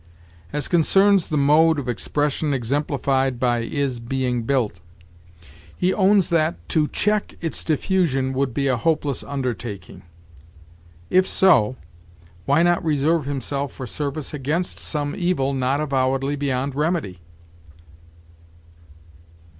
As concerns the mode of expression exemplified by is being built, he owns that 'to check its diffusion would be a hopeless undertaking.' If so, why not reserve himself for service against some evil not avowedly beyond remedy?